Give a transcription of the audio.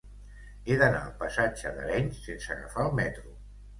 He d'anar al passatge d'Arenys sense agafar el metro.